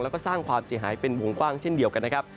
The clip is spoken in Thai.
แล้วก็สร้างความเสียหายเป็นวงกว้างเช่นเดียวกันนะครับ